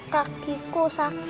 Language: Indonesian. kaki aku sakit